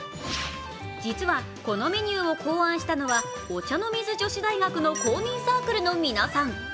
実は、このメニューを考案したのはお茶の水女子大学の公認サークルの皆さん。